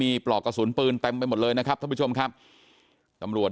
มีปลอกกระสุนปืนเต็มไปหมดเลยนะครับท่านผู้ชมครับตำรวจ